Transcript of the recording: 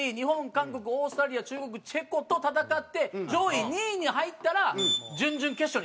韓国オーストラリア中国チェコと戦って上位２位に入ったら準々決勝にいけるんですよ。